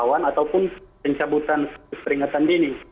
ataupun pencabutan status teringatan dini